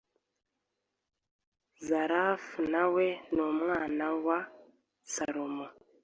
zalafu nawe numwanawa salomo